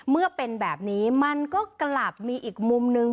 เมื่อเป็นแบบนี้มันก็กลับมีอีกมุมนึง